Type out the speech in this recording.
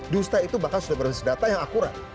dusta itu bahkan sudah berbasis data yang akurat